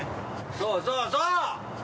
そうそうそう！